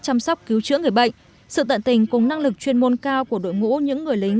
chăm sóc cứu chữa người bệnh sự tận tình cùng năng lực chuyên môn cao của đội ngũ những người lính